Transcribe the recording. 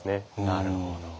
なるほど。